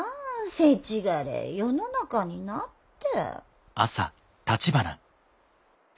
せちがれえ世の中になって。